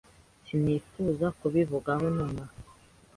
sinifuza kubivugaho nonaha.